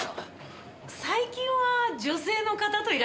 最近は女性の方といらっしゃいますけど。